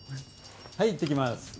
はい、行ってきます！